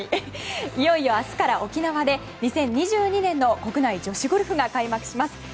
いよいよ明日から沖縄で２０２２年の国内女子ゴルフが開幕します。